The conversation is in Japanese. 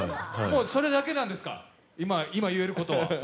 それだけなんですか、今言えることは？